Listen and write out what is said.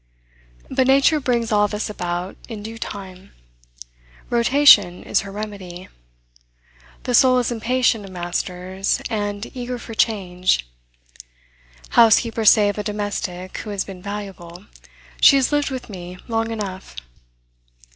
But nature brings all this about in due time. Rotation is her remedy. The soul is impatient of masters, and eager for change. Housekeepers say of a domestic who has been valuable, "She has lived with me long enough."